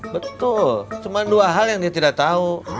betul cuma dua hal yang dia tidak tahu